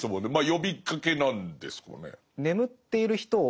呼びかけなんですかね。